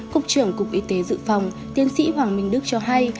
cục trưởng cục y tế dự phòng tiến sĩ hoàng minh đức cho hay